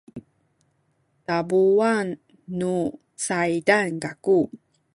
tabuan nu saydan kaku